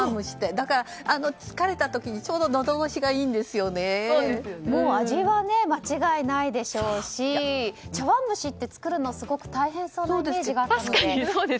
だから疲れた時にちょうど味は間違いないでしょうし茶わん蒸しって作るのすごく大変そうなイメージがあったので。